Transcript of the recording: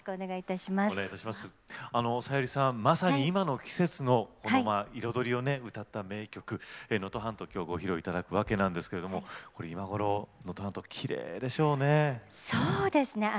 さゆりさんまさに今の季節の彩りを歌った名曲「能登半島」をきょうご披露いただくわけですが今頃、能登半島きれいでしょうね。